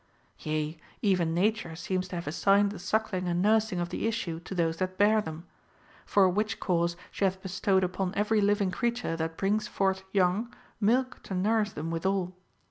Yea, even Nature seems to have assigned the suckling and nurs ing of the issue to those that bear them ; for which cause she hath bestowed upon every living creature that brings forth young, milk to nourish them withal.